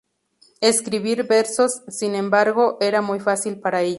Escribir versos, sin embargo, era muy fácil para ella.